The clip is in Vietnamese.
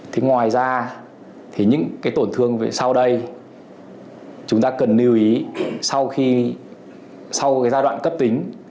thì ngoài ra thì những cái tổn thương về sau đây chúng ta cần lưu ý sau khi sau cái giai đoạn cấp tính